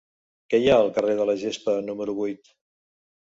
Què hi ha al carrer de la Gespa número vuit?